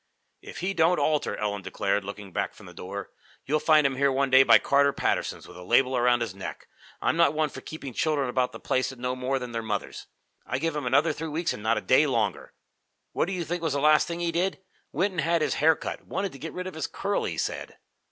"If he don't alter," Ellen declared, looking back from the door, "you'll find him here one day by Carter Patterson's, with a label around his neck. I'm not one for keeping children about the place that know more than their mothers. I give him another three weeks, and not a day longer. What do you think was the last thing he did? Went and had his hair cut wanted to get rid of his curl, he said."